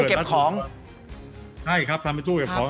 ใช่ครับทำให้ตู้เวงผลอง